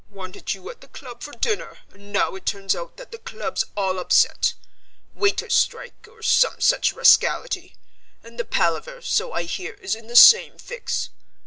Wanted you at the club for dinner, and now it turns out that the club's all upset waiters' strike or some such rascality and the Palaver, so I hear, is in the same fix.